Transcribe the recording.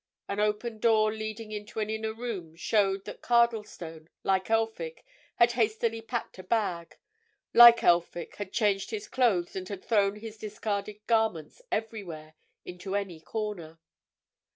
An open door leading into an inner room showed that Cardlestone, like Elphick, had hastily packed a bag; like Elphick had changed his clothes, and had thrown his discarded garments anywhere, into any corner.